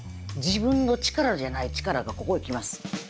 自分の力じゃない力がここへ来ます。